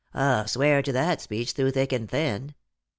I'll swear to that speech through thick and thin.